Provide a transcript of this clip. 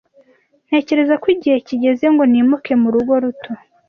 Ntekereza ko igihe kigeze ngo nimuke mu rugo ruto.